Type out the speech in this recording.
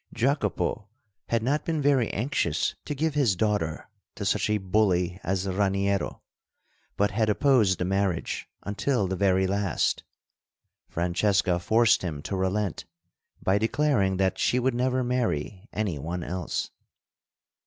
Jacopo had not been very anxious to give his daughter to such a bully as Raniero, but had opposed the marriage until the very last. Francesca forced him to relent, by declaring that she would never marry any one else.